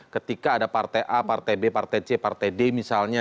ketika ada partai a partai b partai c partai d misalnya